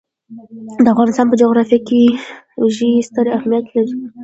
د افغانستان په جغرافیه کې ژبې ستر اهمیت لري.